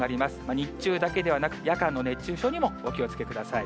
日中だけではなく、夜間の熱中症にもお気をつけください。